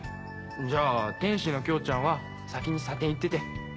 じゃあ天使の京ちゃんは先に茶店行ってて。